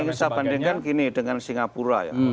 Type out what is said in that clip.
ini saya bandingkan gini dengan singapura ya